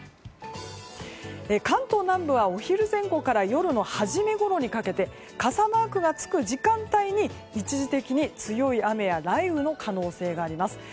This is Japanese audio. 関東南部は、お昼前後から夜の初めごろにかけて傘マークがつく時間帯に一時的に強い雨や雷雨の可能性があります。